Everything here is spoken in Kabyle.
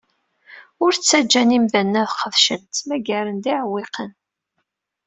Ur ttaǧǧan imdanen ad qedcen. Ttmagaren-d iɛewwiqen.